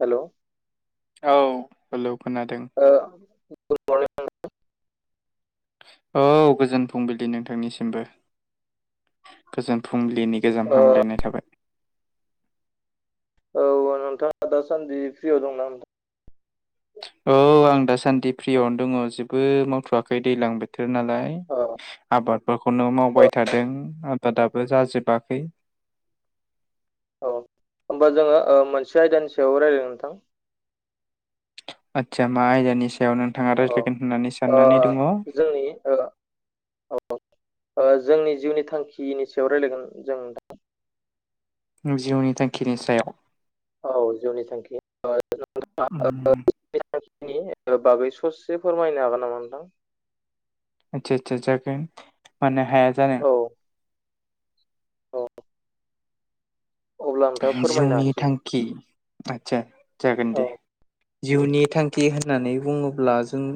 Hello औ hello. खोनादों ओ गुद मरनिं औ गोजोन फुंबिलि नोंथांनिसिमबो। गोजोन फुंलिनि गोजोन हामग्लायनाय थाबाय। औ नोंथाङा दासान्दि फ्रियाव दं ना नोंथां? औ आं दासान्दि फ्रियावनो दङ'। जेबो मावथ'वाखै दैलां बोथो [unintelligible] नालाय औ आबादफोरखौनो औ मावबाय थादों औ आबादाबो जाजोबा खै। औ होमबा जोङो ओ मोनसे आयदानि सायाव रायलाय नोंथां। आतसा मा आयदानि सायाव नोंथाङा औ रायज्लायगोन होननानै ओ, साननानै दङ'। जोंनि ओ, औ, ओ जोंनि जिउनि थांखिनि सायाव रायज्लायगोन जों दा। जिउनि थांखिनि सायाव। औ जिउनि थांखि। उम नि बागै ससे फोरमायनो हागोन नामा नोंथां? आता आतसा जागोन मानो हाया जानो। औ औ अब्ला नोंथाङा फोरमायनो जिउनि हासै थांखि। आतसा जागोन औ दे। जिउनि थांखि होननानै बुङोब्ला जों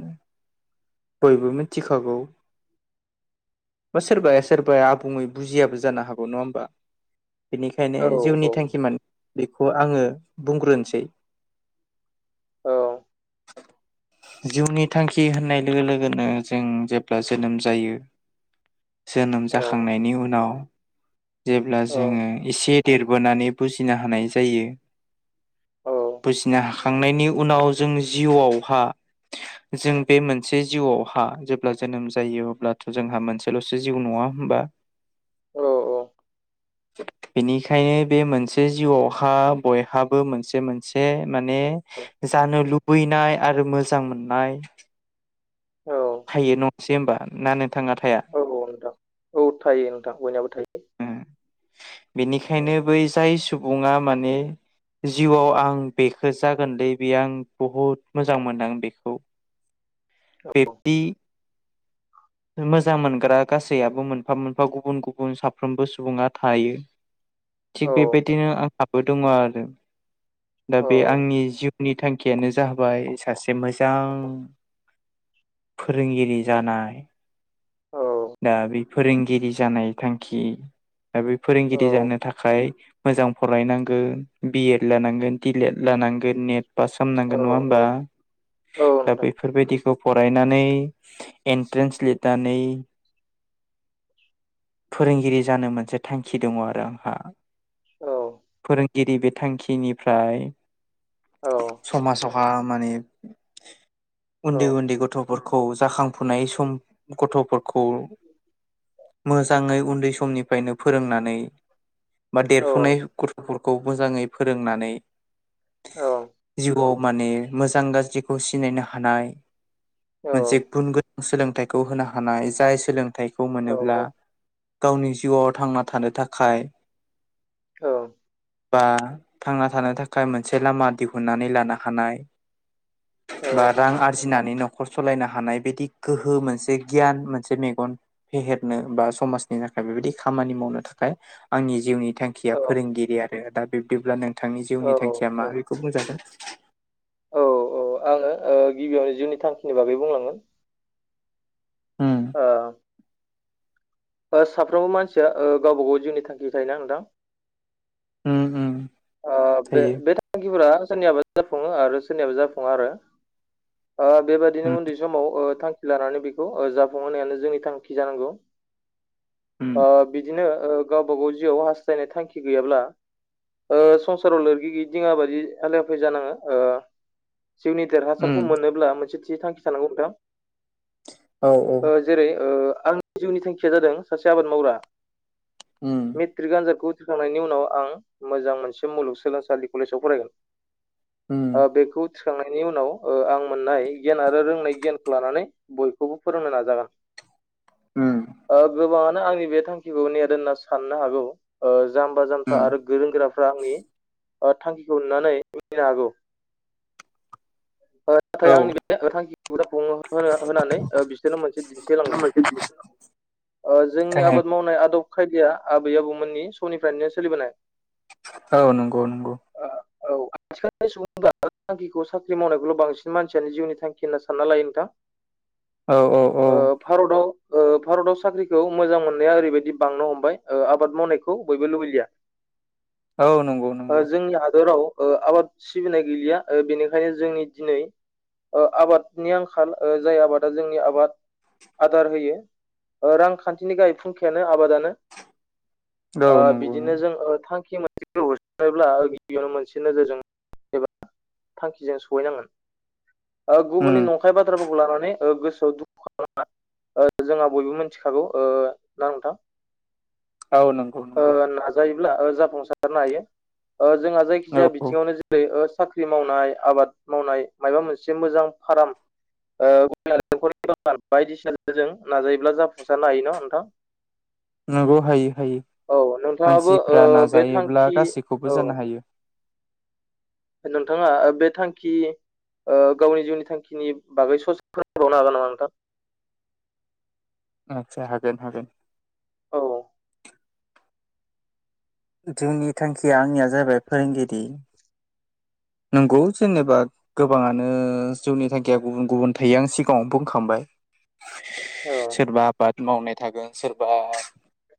बयबो मिथिखागौ। बा सोरबाया सोरबाया आबुङै बुजियाबो जानो हागौ नङा होमबा? बेनिखायनो औ जिउनि थांखि नोंथां मानो बे बेखौ आङो बुंग्रोनोसै। औ। जिउनि थांखि होननाय लोगो लोगोनो जों जेब्ला जोनोम जायो। जोनोम औ जाखांनायनि उनाव जेब्ला जोङो एसे देरबोनानै बुजिनो हानाय जायो। औ बुजिनो हाखांनायनि उनाव जों जिउआवहा जों बे मोनसे मोनसे जिउआवहा जेब्ला जोनोम जायो अब्लाथ' जोंहा मोनसेल'सो जिउ नङा होमबा? औ औ। बेनिखायनो बे मोनसे जिउआवहा बयहाबो मोनसे मोनसे माने औ जानो लुबैनाय आरो मोजां मोननाय औ हायो नंसै होनोमबा ना [unintelligible] औ औ नोंथां औ थायो नोंथां बयनियाबो थायो। औ बेनिखायनो बै जाय सुबुङा माने जिउआव आं बेखौ जागोनलै बे आं बहुद मोजां मोनदों आं बेखौ औ पेपि [unintelligible] मोजां मोनग्रा गासैयाबो मोनफा मोनफा गुबुन गुबुन साफ सारफ्रोमबो सुबुङा थायो औ थिग बेबायदिनो आंहाबो दङ आरो। दा औ बे आंनि जिउनि थांखियानो जाबाय सासे मोजां फोरोंगिरि जानाय। औ दा बे फोरोंगिरि जानाय थांखि आरो बे औ फोरोंगिरि जानो थाखाय मोजां फरायनांगोन बिएड लानांगोन दिलेड लानांगोन। नेट पास औ खालामनांगोन नङा होनबा औ औ दा नोंथां बेफोरबायदिखौ फरायनानै एन्ट्रेन्स लिरनानै फोरोंगिरि जानो मोनसे थांखि दङ आरो आंहा। औ फोरोंगिरि बे थांखिनिफ्राय औ समाजआवहा माने। उन्दै उन्दै गथ'फोरखौ जाखांफुनाय सम गथ'फोरखौ मोजां मोजाङै उन्दै समनिफ्रायनो फोरोंनानै बा औ देरफुनाय गथ'फोरखौ खौ मोजाङै फोरोंनानै जिउआव माने मोजां गाज्रिखौ सिनायनो हानाय मोनसे औ गुन गोनां सोलोंथाइखौ होनो हानाय जाय सोलोंथाइखौ औ मोनोब्ला गावनि जिउआव थांना थानो थाखाय औ। बा थांना थानो थाखाय मोनसे लामा दिहुननानै लानो हानाय। औ बा रां आरजिनानै न'खर सलायनो हानाय बिदि गोहो मोनसे गियान मोनसे मेगन फेहेरनो बा समाज नि थाखाय बेबायाददि खामानि मावनो थाखाय आंनि जिउनि थांखिया औ फोरोंगिरि आरो। दा बिब्दिब्ला नों नोंथांनि जिउनि थांखिया मा बेखौ बुंजागोन। औ आङो गिबियावनो जिउनि थांखिनि बागै बुंलांगोन। ओ ओ साफ्रोमबो मानसिया गावबा गाव जिउनि थांखि थायोना नोंथां? हुम हुम ओ बे-बे थांखिफोरा सोरनियाबा जाफुङो आरो सोरनियाबा जाफुङा आरो। बेबायाददिनो उम उन्दै समाव थांखि लानानै बेखौ ओ जाफुंहोनायानो जोंनि थांखि जानांगौ। उम ओ बिदिनो ओ गावबा गाव जिउआव हास्थायनाय थांखि गैयाब्ला ओ संसाराव लोरगि गैयि दिङ बादि हालाय-हाफाय जानाङो। ओ जिउनि देरा खौ उम मोननोब्ला मोनसे थि थांखि थानांगौ नोंथां। औ औ ओ जेरै - ओ आंनि जिउनि थांखिया जादों सासे आबाद मावग्रा। उम मेट्रिक आनजादखौ उथ्रि खांनायनि उनाव आं मोजां मोनसे मुलुगसोलोंसालि कलेजाव फरायगोन उम ओ बेखौ उथिखांनायनि उनाव ओ आं मोननाय गियान आरो रोंनाय गियानखौ लानानै बयखौबो फोरोंनो नाजागोन। उम ओ गोबाङानो आंनि बे थांखिखौ नेहाद होनना साननो हागौ। ओ जाम्बा-जाम्था उम आरो गोरों-गोराफोरा आंनि ओ थांखिखौ नुनानै मिनिनो हागौ। ओ नाथाय औ आंनि बे थांखिखौ जाफुंहोनो होनानै बिसोरनो मोनसे दिन्थि [unintelligible] ओ जोंनि आबाद कानेक्ट मावनाय आदब-खायदाया आबै-आबौमोननि समनिफ्रायनो सोलिबोनाय। औ नोंगौ नोंगौ। ओ औ आथिखालनि सुबुंफोरा थांखिखौ साख्रि मावनायखौल' बांसिन मानसियानो जिउनि थांखि होनना सानना लायो नोंथां। औ औ औ ओ भारताव ओ भारताव साख्रिखौ मोजां मोननाया ओ ओरैबायदि बांनो हमबाय आबाद मावनायखौ बयबो लुबैलिया। औ नंगौ ओ नंगौ जोंनि हादराव ओ आबाद सिबिनाय गैलिया ओ‌ बेनि खायनो जोंनि दिनै ओ आबादनि आंखाल। ओ जाय आबादा जोंनि आबाद आदार होयो ओ रांखान्थिनि गाहाय फुंखायानो आबादानो। औ ओ नंगौ बिदिनो नंगौ जों ओ मा थांखिमोन बेखौ होसोनोब्ला गिबियावनो मोनसे नोजोरजों एबा थांखिजों सहैनांगोन। ओ उम गुबुननि नंखाय बाथ्राफोरखौ लानानै गोसोआव दुखु खालाम नाङा। ओ जोंहा बयबो मिथिखागौ ओ ना नोंथां? औ नोंगौ नोंगौ। जाफुंसारनोब्ला जाफुंसारनो हायो। ओ जोंहा औ जायखिजाया औ बिथिङावनो जेरै - ओ साख्रि मावनाय, आबाद मावनाय मायबा मोनसे मोजां फाराम ओ बायदिसिनाजों नाजायोब्ला जाफुंसारनो हायो ना नोंथां? [inaudible] नोंगौ, हायो। हायो औ नोंथाङाबो मानसिफ्रा ओ बे नाजायोब्ला थांखि गासैखौबो औ जानो हायो। नोंथाङा ओ बे थांखि ओ गावनि जिउनि थांखिनि बागै ससे फोरमायबावनो हागोन नामा नोंथां? आतसा, हागोन हागोन। औ। जिउनि थांखिया आंनिया जाबाय फोरोंगिरि। [inaudible] नंगौ जेनेबा गोबाङानो जिउनि थांखिया गुबुन गुबुन थायो आं सिगाङाव बुंखांबाय। नामा नोंथां सोरबा आबाद मावनाय थागोन सोर बा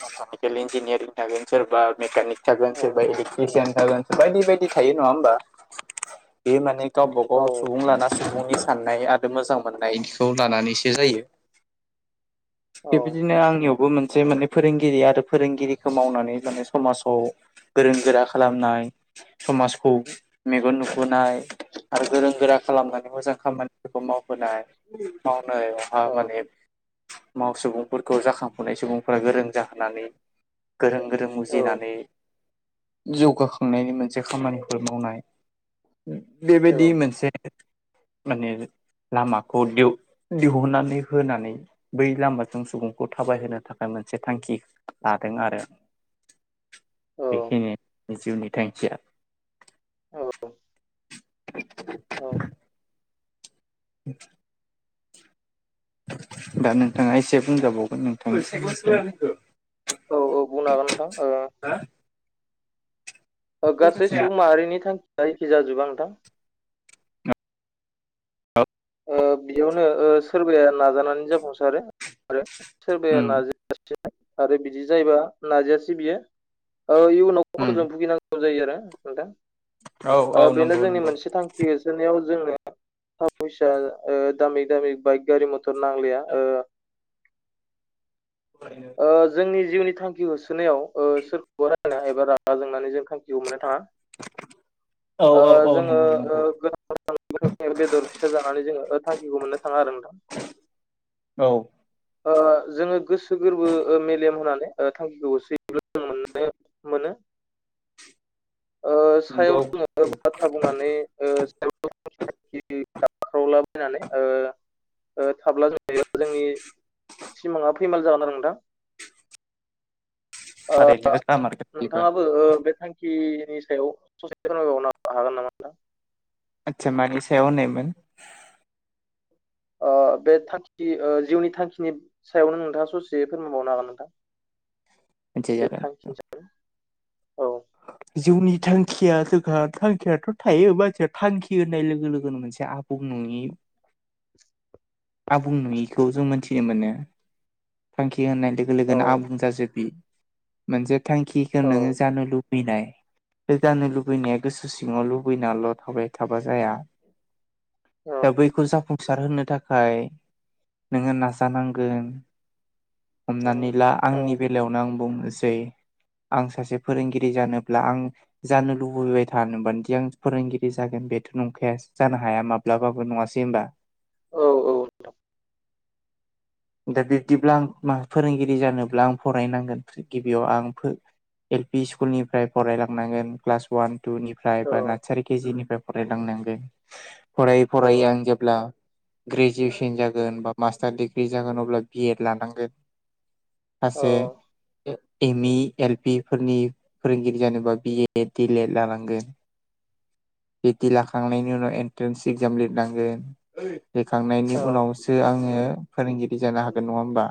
मेकानिकेल इन्जिनियारिं थागोन सोरबा मेकानिक थागोन सोरबा इलेकट्रिसियान थागोन बायदि बायदि थायो नङा होमबा? बे माने गावबा गाव औ सुबुं लाना सुबुंनि साननाय आरो मोजां मोननायखौ लानानैसो जायो। औ बेबायदिनो आंनियावबो मोनसे माने फोरोंगिरि आरो फोरोंगिरिखौ मावनानै माने स माजाव गोरों-गोरा खालामनाय, समाजखौ मेगन नुहोनाय आरो गोरों-गोरा खालामनानै मोजां खामानिफोरखौ मावबोनाय। माव नायावहाय औ माने माव सुबुंफोरखौ जाखांफुनाय सुबुंफोरा गोरों जाहोनानै गोरों गोरों मो औ जौगाखांनायनि मोनसे खामानिफोर मावनाय बे औ बायदि मोनसे माने लामाखौ दिहुननानै होनानै बै लामाजों सुबुंखौ थाबायहोनो थाखाय मोनसे थांखि लादों आरो बेखिनि जिउनि थांखिया औ [inaudible] औ [inaudible] दा नोंथाङा एसे बुंजाबावगोन नोंथांनि औ औ बुंनो हागोन नोंथां ओ ओ गासै सुबुं माहारिनि थांखिया एखि जाजोबा नोंथां औ ओ बेयावनो ओ सोरबाया नाजानानै जाफुंसारो आरो उम सोरबाया नाजायालासिनो आरो बिदि जायोबा नाजायासै बियो इयुनाव उम खसथ'जों भुगिनांगौ जायो आरो नोंथां औ औ ओ बेनो नंगौ जोंनि नंगौ मोनसे थांखि होसोनायाव जोंनो थाखा फैसा ओ दामि दामि बाइक गारि मथर नांलिया ओ ओ जोंनि जिउनि थांखि होसोनायाव ओ सोरखौबा रायना एबा रागा जोंनानै जों थांखिखौ मोननो थाङा औ ओ औ औ जोङो नंगौ ओ नंगौ गोनां बेदर फिसा जानानै जोङो थांखिखौ मोननो थाङा आरो नोंथां औ ओ जोङो गोसो गोरबो मेलेम होनानै ओ थांखिखौ होसोयोब्ला जों मोन्नो मोनो नो ओ सायाव नंगौ जों बाथ्रा बुंनानै ओ सायाव [inaudible] गाबख्रावला बायनानै ओ ओ थाब्ला जोंनि सिमांङा फैमाल जागोन नोथां ओ थारैनो जामारगोन बेबो नोंथाङाबो बे थांखि [unintelligible] हागोन नामा नोंथां आतसा मानि सायाव होननायमोन ओ बे थांखि जिउनि थांखिनि सायावनो नोंथाङा ससे फोरमानबावनो हागोन नोंथां बे मिथिजागोन थांखि नि सायाव औ जिउनि थांखिया जोंहा थांखियाथ' थायो बाथिया थांखि होननाय लोगो लोगोनो मोनसे आबुं नो [inaudible] नि [inaudible] आबुं नुयिखौ जों मोनथिनो मोनो थांखि होननाय लोगो औ लोगोनो आंबुं जाजोबि मोनसे थांखिखो औ नोङो जानो लुबै [unintelligible] नाय गोदानो लुबैनाया गोसो सिङाव लुबैनाल' थाबाय थाबा जाया औ दा बैखौ जाफुं सार होनोनो थाखाय नोङो नाजानांगोन हमनानै ला औ आंनि औ बेलायावनो आं बुनोसै आं सासे फोरोंगिरि गिरि जानोब्ला आं जानो लुबैबाय थानोबानोदि आं फोरोंगिरि जागोन बेथ' नंखाया जानो हा हाया माब्लाबाबो नङासै होनबा? औ औ नोंथां। दा बिब्दिब्ला आं मा फोरोंगिरि जानोब्ला आं फरायनांगोन फ्रि गिबियाव आं फो‌ एलपि स्कुल निफ्राय फरायलांनांगोन क्लास अवान टु निफ्राय बा नार्सारि केजि निफ्राय फरायलांनांगोन फरायै औ फरायै आं जेब्ला ग्रेजुवेसन जागोन बा मास थार डिग्रि जागोन अब्ला बि एड लानांगोन। औ सासे एम इ एल पि फोरनि फोरोंगिरि जानोबा बिए दिलेद लानांगोन। बिदि लाखांनायनि उनाव एन्ट्रेन्स एक्जाम लिरनांगोन। लेरखांनायनि औ उनावसो आङो फोरोंगिरि जानो हागोन नङा होमबा?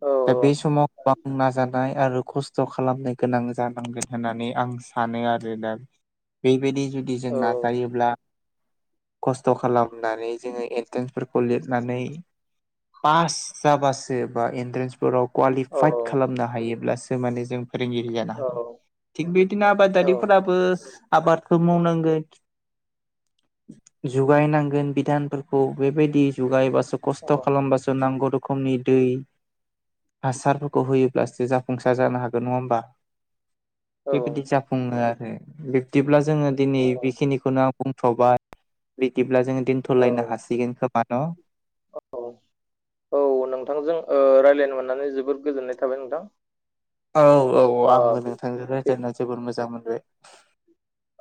औ दा बे समाव गोबां नाजानाय आरो खस्थ' खालामनाय गोनां जानांगोन होननानै आं सानो आरो दा बेबायदि जुदि जों औ नाजायोब्ला खस्थ' खालामनानै जोङो एन ट्रेन्सफोरखौ लिरनानै पास जाबासो बा एन्ट्रेन्सफोराव क्वालिफाइद खालामनो हायोब्लासो माने जों फोरोंगिरि जानो हागोन। औ थिग बेदिनो औ आबादारिफोराबो आबादखौ मावनांगोन। जुगायनांगोन बिधानफोरखौ बेबायदि जुगायबासो खस्थ' औ खालामबासो नांगौ रखमनि दै हासारफोरखौ होयोब्लासो जाफुंसार जानो हागोन नङा होम बा औ बेबायदि नोंथां जाफुङो आरो बिब्दिब्ला जोङो दिनै औ बेखिनिखौनो आं बुंथ'बाय बिदिब्ला जोङो दोनथ'लायनो औ हासिगोन खोमा न'? औ नोंथांजों ओ रायलायनो मोननानै जोबोद गोजोननाय थाबाय नोंथां। औ औ ओ आंबो बे नोंथांजों बे- रायज्लायना जोबोर मोजां मोनबाय।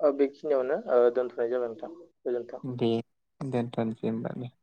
ओ बेखिनियावनो ओ दोन्थ'नाय जाबाय नोंथां। गोजोन्थों दे दोनथ'नोसै होमबालाय।